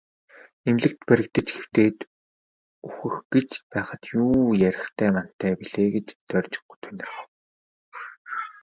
Эмнэлэгт баригдаж хэвтээд үхэх гэж байхад юу ярихтай мантай билээ гэж Дорж тунирхав.